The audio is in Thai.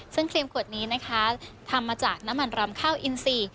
ซึ่งครีมขวดนี้นะคะทำมาจากน้ำมันรำข้าวอินซี